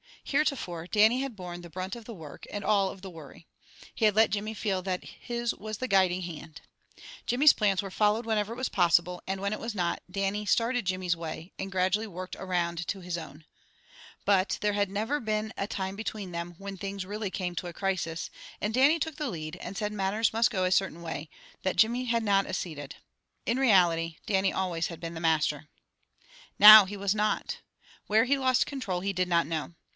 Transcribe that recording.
Heretofore, Dannie had borne the brunt of the work, and all of the worry. He had let Jimmy feel that his was the guiding hand. Jimmy's plans were followed whenever it was possible, and when it was not, Dannie started Jimmy's way, and gradually worked around to his own. But, there never had been a time between them, when things really came to a crisis, and Dannie took the lead, and said matters must go a certain way, that Jimmy had not acceded. In reality, Dannie always had been master. Now he was not. Where he lost control he did not know.